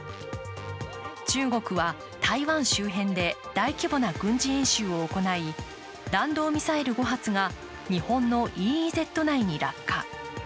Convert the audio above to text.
中国は台湾周辺で大規模な軍事演習を行い弾道ミサイル５発が日本のＥＥＺ内に落下。